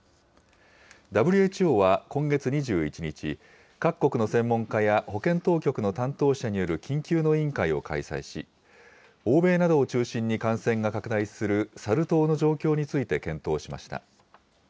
ＷＨＯは今月２１日、各国の専門家や保健当局の担当者による緊急の委員会を開催し、欧米などを中心に感染が拡大するサル痘の状況について検討しました。